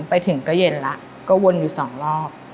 ไปถึงก็เย็นแล้วก็วนอยู่สองรอบ